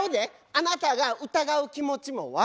あなたが疑う気持ちも分かる。